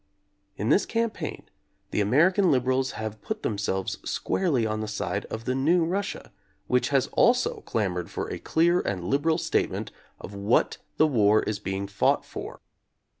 In this campaign the American liberals have put themselves squarely on the side of the new Russia, which has also clamored for a clear and liberal statement of what the war is be ing fought for.